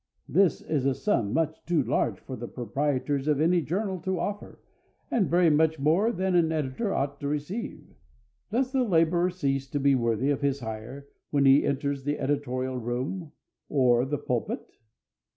This is a sum much too large for the proprietors of any journal to offer, and very much more than an editor ought to receive." Does the laborer cease to be worthy of his hire when he enters the editorial room or the pulpit?